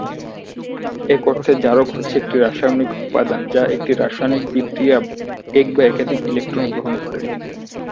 এক অর্থে, জারক হচ্ছে একটি রাসায়নিক উপাদান যা একটি রাসায়নিক বিক্রিয়ায় এক বা একাধিক ইলেকট্রন গ্রহণ করে।